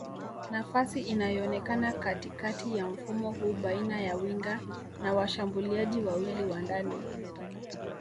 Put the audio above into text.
Nafasi inayoonekana katikati ya mfumo huu baina ya winga na washambuliaji wawili wa ndani